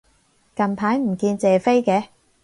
近排唔見謝飛嘅